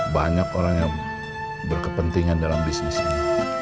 banyak orang yang berkepentingan dalam bisnis ini